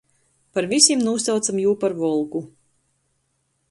Par vysim nūsaucam jū par Volgu.